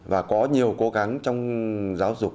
và có nhiều cố gắng trong giáo dục